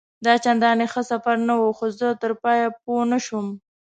دا چنداني ښه سفر نه وو، خو زه تر پایه پوه نه شوم.